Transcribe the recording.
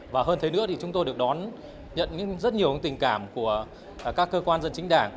và hơn thế nữa thì chúng tôi được đón nhận rất nhiều tình cảm của các cơ quan dân chính đảng